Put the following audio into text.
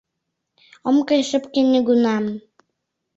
Ом кай шыпке нигунам.